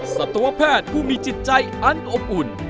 สัตวแพทย์ผู้มีจิตใจอันอบอุ่น